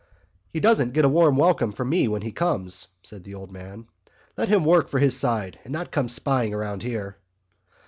"He doesn't get a warm welcome from me when he comes," said the old man. "Let him work for his own side and not come spying around here."